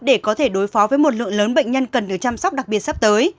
để có thể đối phó với một lượng lớn bệnh nhân cần được chăm sóc đặc biệt sắp tới